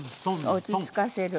落ち着かせる。